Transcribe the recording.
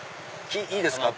いいですか！